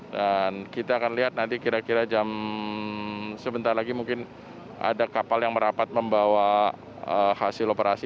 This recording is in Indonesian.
dan kita akan lihat nanti kira kira jam sebentar lagi mungkin ada kapal yang merapat membawa hasil operasi